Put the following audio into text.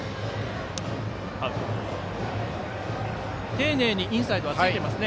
丁寧にインサイドはついてますね。